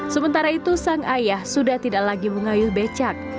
sementara itu sang ayah sudah tidak lagi mengayuh becak